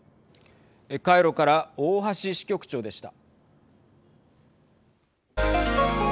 カイロから大橋支局長でした。